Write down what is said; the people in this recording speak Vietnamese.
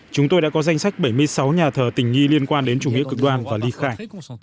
chúng tôi đã có danh sách bảy mươi sáu nhà thờ tình nghi liên quan đến chủ nghĩa cực đoan và ly khai